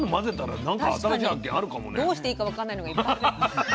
確かにどうしていいか分かんないのがいっぱいあって。